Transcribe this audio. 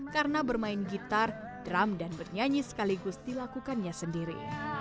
karena bermain gitar drum dan bernyanyi sekaligus dilakukannya sendiri